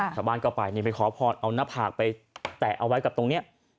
ชาวบ้านก็ไปไปขอพรเอาหน้าผากไปแตะเอาไว้กับตรงนี้